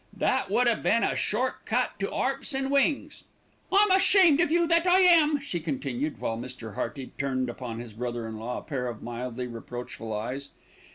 "That would 'ave been a short cut to 'arps an' wings." "I'm ashamed of you, that I am," she continued, while Mr. Hearty turned upon his brother in law a pair of mildly reproachful eyes.